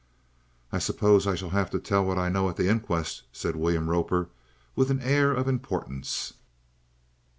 "I suppose I shall 'ave to tell what I know at the inquest?" said William Roper, with an air of importance.